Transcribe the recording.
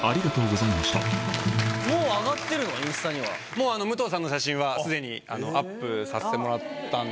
もう武藤さんの写真はすでにアップさせてもらったんですけど。